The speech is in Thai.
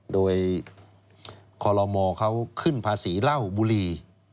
โดยคอลโลมเขาขึ้นภาษีเหล้าบุรี